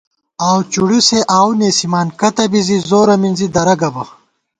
آؤوچُڑُوسے آؤو نېسِمان کتہ بی زی زورہ مِنزی درہ گہ بہ